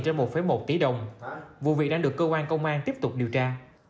trên một một tỷ đồng vụ việc đang được cơ quan công an tiếp tục điều tra